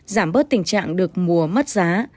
giảm bớt tình trạng được mùa mất giá